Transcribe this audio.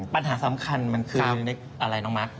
ปัญหาสำคัญมันคือนึกอะไรน้องมัก